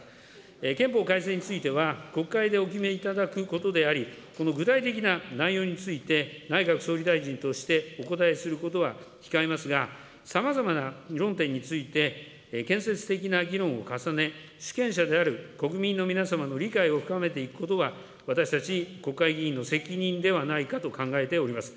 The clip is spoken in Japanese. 憲法改正については国会でお決めいただくことであり、この具体的な内容について、内閣総理大臣としてお答えすることは控えますが、さまざまな論点について建設的な議論を重ね、主権者である国民の皆様の理解を深めていくことは、私たち国会議員の責任ではないかと考えております。